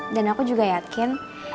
dan aku juga yakin